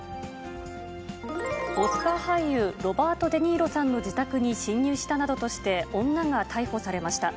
オスカー俳優、ロバート・デ・ニーロさんの自宅に侵入したなどとして、女が逮捕されました。